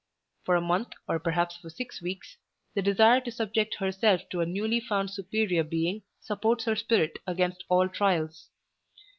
For a month, or perhaps for six weeks, the desire to subject herself to a newly found superior being supports her spirit against all trials.